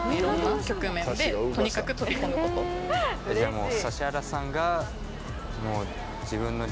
じゃもう。